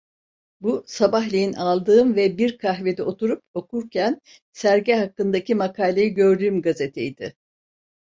Bu, sabahleyin aldığım ve bir kahvede oturup okurken sergi hakkındaki makaleyi gördüğüm gazeteydi.